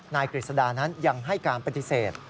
นายกริศดานั้นยังให้การปฏิเสธ